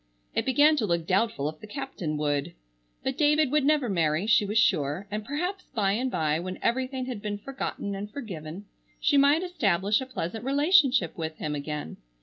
It began to look doubtful if the captain would. But David would never marry, she was sure, and perhaps, by and by, when everything had been forgotten and forgiven, she might establish a pleasant relationship with him again.